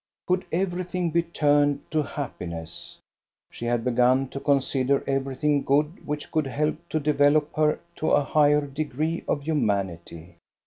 Could every thing be turned to happiness? She had begun to consider everything good which could help to develop her to a higher degree of humanity.